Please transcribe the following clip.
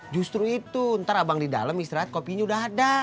justru itu ntar abang di dalam istirahat kopinya udah ada